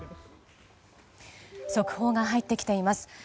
速報が入ってきています。